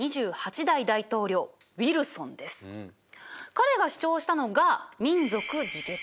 彼が主張したのが民族自決。